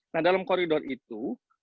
nah dalam koridor itu